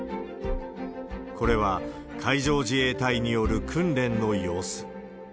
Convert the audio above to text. これは、海上自衛隊による訓練の様子。